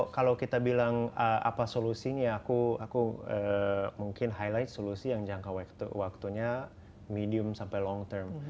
kalau kita bilang apa solusinya aku mungkin highlight solusi yang jangka waktunya medium sampai long term